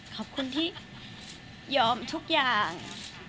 ขอบคุณที่ยอมทุกอย่าง